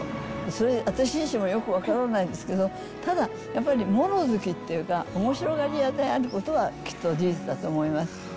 それ、私自身もよく分からないんですけど、ただやっぱり、もの好きっていうか、おもしろがり屋であることは、きっと事実だと思います。